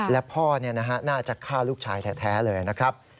และพ่อน่าจะฆ่าลูกชายแท้เลยนะครับ